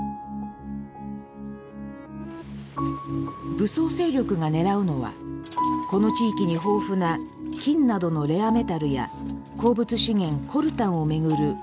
武装勢力が狙うのはこの地域に豊富な金などのレアメタルや鉱物資源コルタンをめぐる利権です。